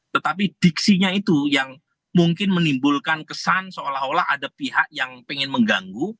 tetapi diksinya itu yang mungkin menimbulkan kesan seolah olah ada pihak yang ingin mengganggu